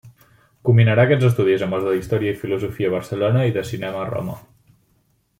Combinarà aquests estudis amb els d'història i filosofia a Barcelona i de cinema a Roma.